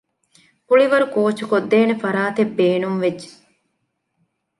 ކުޅިވަރު ކޯޗުކޮށްދޭނެ ފަރާތެއް ބޭނުންވެއްޖެ